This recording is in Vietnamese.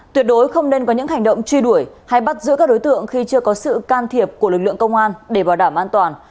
tuyệt đối không nên có những hành động truy đuổi hay bắt giữ các đối tượng khi chưa có sự can thiệp của lực lượng công an để bảo đảm an toàn